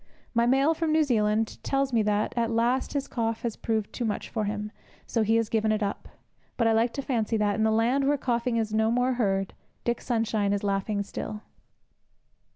My mail from New Zealand tells me that, at last, his cough has proved too much for him, so he has given it up. But I like to fancy that, in the land where coughing is no more heard, Dick Sunshine is laughing still.